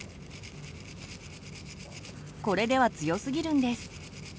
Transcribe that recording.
これでは強すぎるんです。